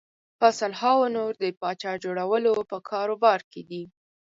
په سلهاوو نور د پاچا جوړولو په کاروبار کې دي.